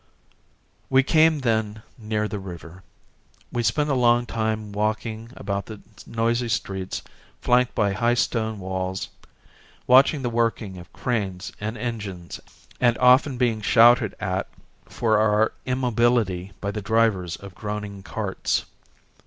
We came then near the river. We spent a long time walking about the noisy streets flanked by high stone walls, watching the working of cranes and engines and often being shouted at for our immobility by the drivers of groaning carts.